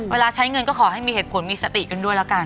เวลาใช้เงินก็ขอให้มีเหตุผลมีสติกันด้วยแล้วกัน